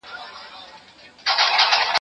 زه به سبا د نوي لغتونو يادونه وکړم!.